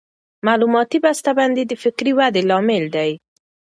معلوماتي بسته بندي د فکري ودې لامل دی.